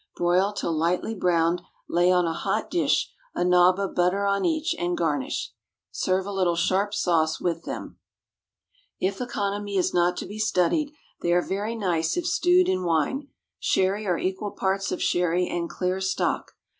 Broil till lightly browned, lay on a hot dish, a nob of butter on each, and garnish. Serve a little sharp sauce with them. If economy is not to be studied, they are very nice if stewed in wine sherry, or equal parts of sherry and clear stock.